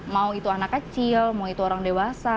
mau itu anak kecil mau itu orang dewasa